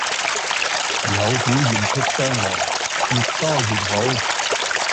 有表現出雙糧，越多越好!